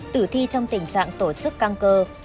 tử thi trong tình trạng tổ chức căng cơ